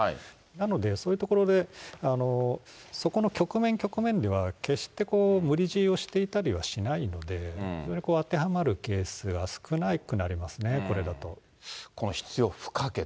なので、そういうところでそこの局面局面では、決して無理強いをしていたりはしないので、当てはまるケースが少なくなりますね、これだと。この必要不可欠。